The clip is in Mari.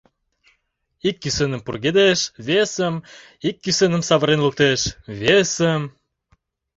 Ик кӱсеным пургедеш, весым, ик кӱсеным савырен луктеш, весым...